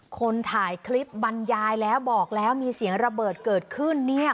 คนถ่ายคลิปบรรยายแล้วบอกแล้วมีเสียงระเบิดเกิดขึ้นเนี่ย